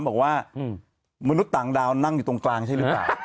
บอกว่ามนุษย์ต่างดาวนั่งอยู่ตรงกลางใช่หรือเปล่า